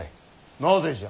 なぜじゃ！